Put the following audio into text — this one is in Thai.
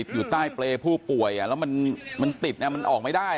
อยู่ใต้เปรย์ผู้ป่วยแล้วมันติดมันออกไม่ได้